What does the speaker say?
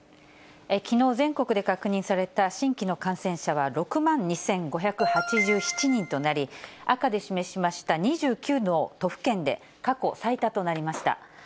きのう全国で確認された新規の感染者は６万２５８７人となり、赤で示しました２９の都府県で過去最多となりました。